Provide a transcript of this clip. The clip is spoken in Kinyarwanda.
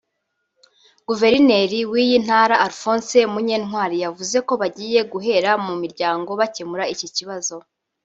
Guverineri w’iyi ntara Alphonse Munyantwali yavuze ko bagiye guhera mu miryango bakemura iki kibazo